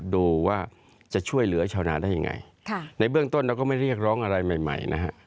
ดูว่าจะช่วยเหลือชาวนาได้ยังไงในเบื้องต้นเราก็ไม่เรียกร้องอะไรใหม่ใหม่นะฮะ